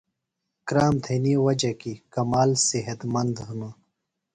کرام تھئینی وجہ کیۡ جمال صحت مند ہِنوۡ۔